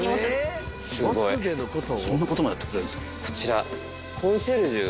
こちら。